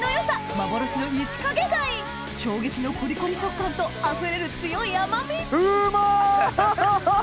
幻のイシカゲ貝衝撃のコリコリ食感とあふれる強い甘みうまっ！